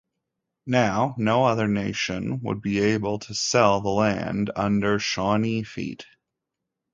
Now no other nation would be able to sell the land under Shawnee feet.